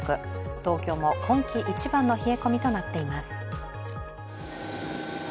東京も今季一番の冷え込みとなっています。